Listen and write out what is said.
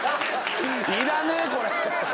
いらねえこれ！